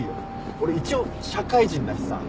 俺一応社会人だしさ。